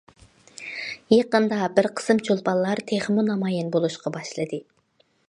يېقىندا بىر قىسىم چولپانلار تېخىمۇ نامايان بولۇشقا باشلىدى.